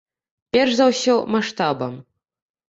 Перш за ўсё, маштабам.